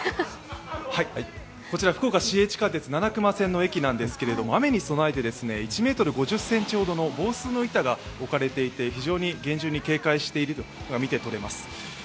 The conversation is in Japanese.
こちら、福岡市営地下鉄七隈線の駅なんですけれども、雨に備えて１ｍ５０ｃｍほどの防水の板が置かれていて非常に厳重に警戒しているのが見て取れます。